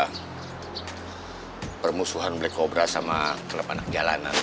hai permusuhan black cobra sama kelab anak jalanan